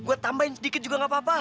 gue tambahin sedikit juga gak apa apa